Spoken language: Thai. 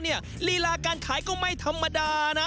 ลีลาการขายก็ไม่ธรรมดานะ